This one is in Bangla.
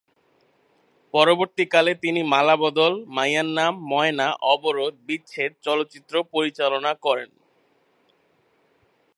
পরবর্তী কালে তিনি "মালা বদল", "মাইয়ার নাম ময়না", "অবরোধ", "বিচ্ছেদ" চলচ্চিত্র পরিচালনা করেন।